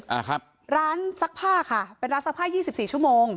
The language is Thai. อ่าครับร้านซักผ้าค่ะเป็นร้านซักผ้ายี่สิบสี่ชั่วโมง